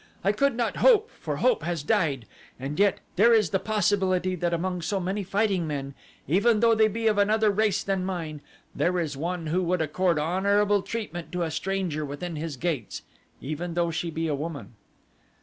I could not hope, for hope has died and yet there is the possibility that among so many fighting men, even though they be of another race than mine, there is one who would accord honorable treatment to a stranger within his gates even though she be a woman."